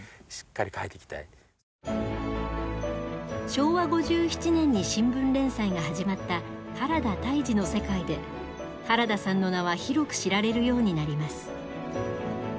昭和５７年に新聞連載が始まった「原田泰治の世界」で原田さんの名は広く知られるようになります。